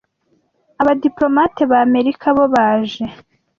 abadiplomate b'Amerika bo baje